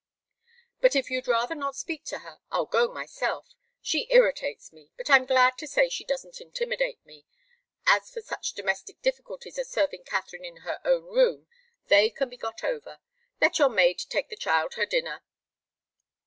But if you'd rather not speak to her, I'll go myself. She irritates me, but I'm glad to say she doesn't intimidate me. As for such domestic difficulties as serving Katharine in her own room, they can be got over. Let your maid take the child her dinner."